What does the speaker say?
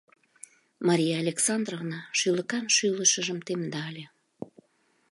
Мария Александровна шӱлыкан шӱлышыжым темдале: